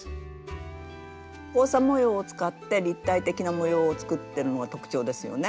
交差模様を使って立体的な模様を作ってるのが特徴ですよね。